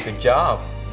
ya nggak gitu